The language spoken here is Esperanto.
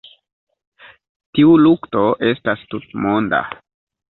Tiu lukto estas tutmonda.